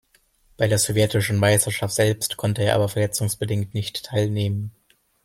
Bei der sowjetischen Meisterschaft selbst konnte er aber verletzungsbedingt nicht teilnehmen.